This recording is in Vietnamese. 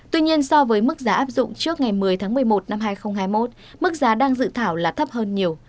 tuy nhiên so với mức giá áp dụng trước ngày một mươi tháng một mươi một năm hai nghìn hai mươi một mức giá đang dự thảo là thấp hơn nhiều